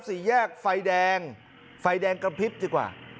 สี่แยกไฟแดงไฟแดงกระพริบดีกว่า